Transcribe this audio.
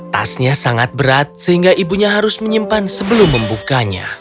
tasnya sangat berat sehingga ibunya harus menyimpan sebelum membukanya